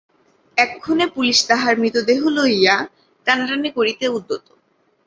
এক্ষণে পুলিস তাহার মৃতদেহ লইয়া টানাটানি করিতে উদ্যত।